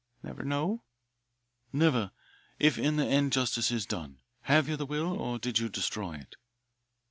"Never know?" "Never if in the end justice is done. Have you the will? Or did you destroy it?"